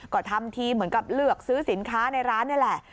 ก็ทำทีเหมือนกับเลือกซื้อสินค้าในร้านนี่แหละ